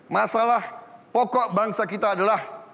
masalah pokok bangsa kita adalah